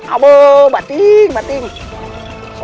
aduh batik batik